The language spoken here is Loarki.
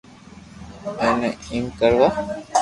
اينو ايم ڪروا